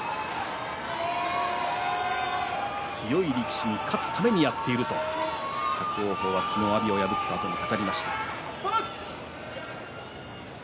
強い力士に勝つためにやっていると伯桜鵬は昨日、阿炎を破った相撲で言っていました。